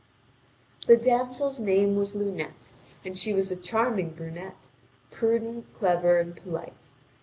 (Vv. 2415 2538.) The damsel's name was Lunete, and she was a charming brunette, prudent, clever, and polite.